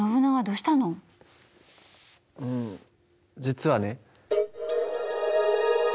うん実はね。